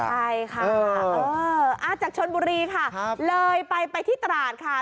ใช่ค่ะจากชนบุรีค่ะเลยไปที่ตราดค่ะ